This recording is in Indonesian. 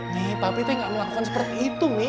nih papi teh gak melakukan seperti itu mi